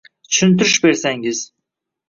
Tushuntirish bersangiz.